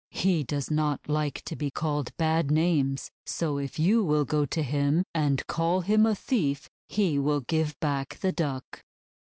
He does not like to be called bad names, so if you will go to him and call him a thief, he will give back the Duck."